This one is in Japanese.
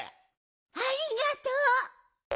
ありがとう。